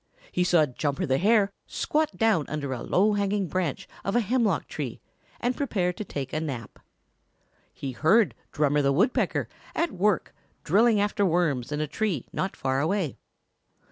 He saw Jumper the Hare squat down under a low hanging branch of a hemlock tree and prepare to take a nap. He heard Drummer the Woodpecker at work drilling after worms in a tree not far away.